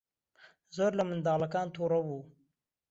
زۆر لە منداڵەکان تووڕە بوو.